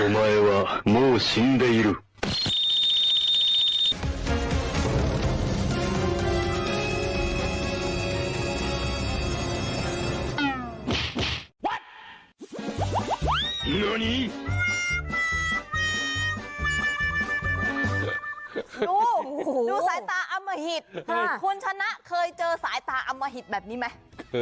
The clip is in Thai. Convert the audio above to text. ดูสายตาอมหิตคุณชนะเคยเจอสายตาอมหิตแบบนี้ไหม